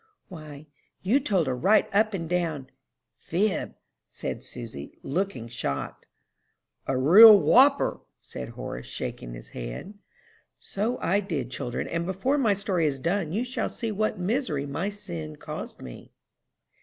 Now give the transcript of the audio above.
"Why, you told a right up and down fib," said Susy, looking shocked. "A real whopper," said Horace, shaking his head. "So I did, children, and before my story is done you shall see what misery my sin caused me."